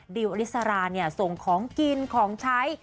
ดิวอริสราเนี่ยส่งของกินของใช้